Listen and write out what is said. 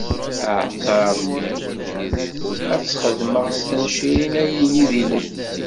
Aɛalṭar-nni? ad t-txedmeḍ s tencirin, ad yili d ilem.